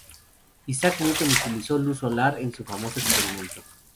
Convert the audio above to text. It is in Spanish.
Isaac Newton utilizó luz solar en su famoso experimento.